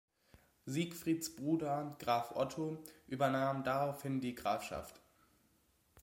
Siegfrieds Bruder Graf Otto übernahm daraufhin die Grafschaft.